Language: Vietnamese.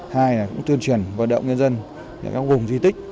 hai là tuyên truyền vận động nhân dân trong vùng di tích